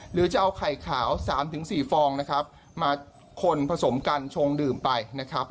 หรือจะเอาไข่ขาว๓๔ฟองนะครับมาคนผสมกันชงดื่มไปนะครับ